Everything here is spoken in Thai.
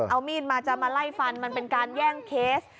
เอามีดมาจะมาไล่ฟันมันเป็นการแย่งเคส